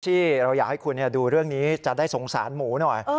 ที่เราอยากให้คุณดูเรื่องนี้จะได้สงสารหมูหน่อย